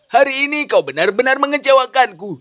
hari ini kau benar benar mengecewakanku